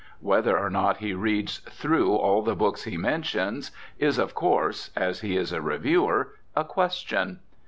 Whether or not he reads through all the books he mentions is of course (as he is a reviewer) a question.